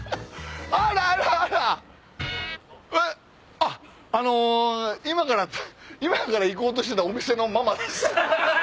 あっあの今から今から行こうとしてたお店のママです。